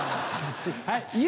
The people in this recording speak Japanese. はい！